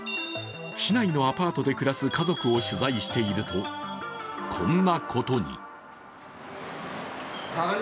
市内にアパートで暮らす家族を取材していると、こんなことに。